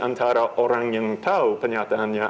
antara orang yang tahu kenyataannya